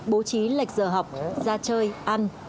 bố trí lệch giờ học ra chơi ăn